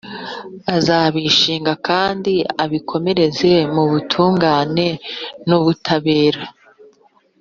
azabishinga kandi abikomeze mu butungane n’ubutabera,